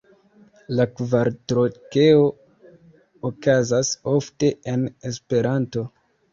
La kvartrokeo okazas ofte en Esperanto.